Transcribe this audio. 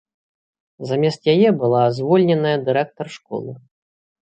Замест яе была звольненая дырэктар школы.